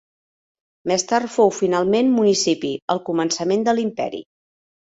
Més tard fou finalment municipi al començament de l'Imperi.